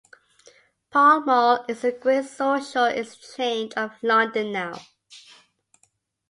Pall Mall is the great social Exchange of London now